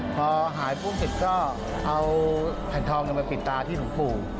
พอหายปุ้งเสร็จก็เอาแผ่นทองมาปิดตาที่หลวงปู่